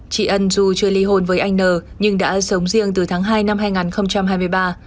chị ân dù chưa ly hôn với anh n nhưng đã sống riêng từ tháng hai năm hai nghìn hai mươi ba